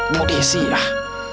putih sih ah